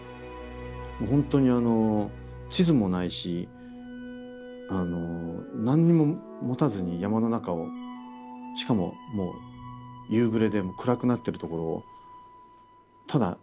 もう本当にあの地図もないしあの何にも持たずに山の中をしかももう夕暮れで暗くなってる所をただ勘だけで歩いてるみたいな。